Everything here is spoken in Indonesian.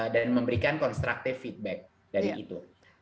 dan memberikan constructive feedback dari itu